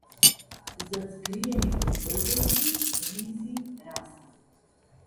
Затскриени под одежди, ризи, раса.